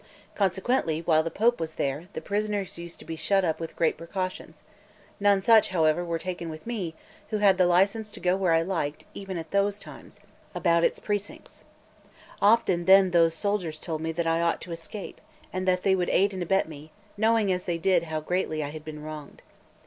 Consequently, while the Pope was there, the prisoners used to be shut up with great precautions; none such, however, were taken with me, who had the license to go where I liked, even at those times, about it precincts. Often then those soldiers told me that I ought to escape, and that they would aid and abet me, knowing as they did how greatly I had been wronged.